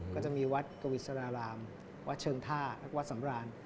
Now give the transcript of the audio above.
ก็จะมีวัดกวิสรารามวัดเชิงท่าและวัดสำราน